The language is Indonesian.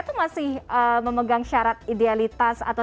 itu masih memegang syarat idealitas atau